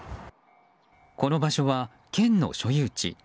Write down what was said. この場所は県の所有地。